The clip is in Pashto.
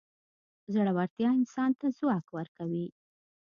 زړورتیا انسان ته ځواک ورکوي.